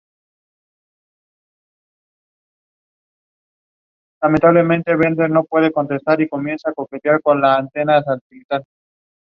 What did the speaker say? After the interchange with the Long Island Expressway, the Van Wyck continues northeastward.